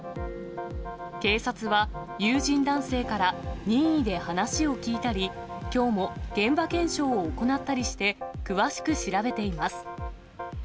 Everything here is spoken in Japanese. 警察は、友人男性から任意で話を聴いたり、きょうも現場検証を行ったりして詳しく調べています。